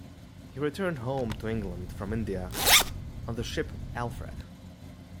He returned home to England from India on the ship "Alfred".